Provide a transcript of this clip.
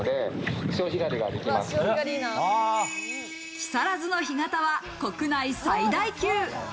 木更津の干潟は国内最大級。